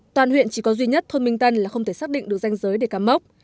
toàn huyện chỉ có duy nhất thôn minh tân là không thể xác định được danh giới để cắm mốc